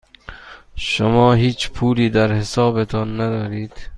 شما هیچ پولی در حسابتان ندارید.